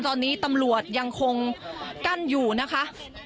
ตอนนี้ตำรวจยังคงกั้นอยู่นะคะ